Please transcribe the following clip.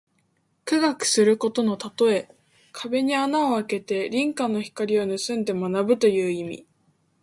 苦学することのたとえ。壁に穴をあけて隣家の光をぬすんで学ぶという意味。